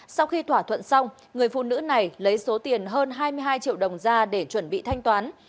sau khi thỏa thuận xong người phụ nữ này lấy số tiền hơn hai mươi hai triệu đồng ra để chuẩn bị thanh toán